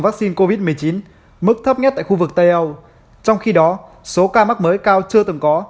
vaccine covid một mươi chín mức thấp nhất tại khu vực tây âu trong khi đó số ca mắc mới cao chưa từng có